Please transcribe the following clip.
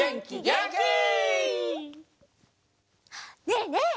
ねえねえ。